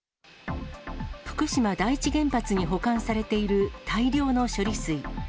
福島第一原発に保管されている大量の処理水。